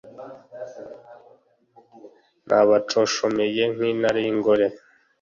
nabaconshomeye nk’intare y’ingore,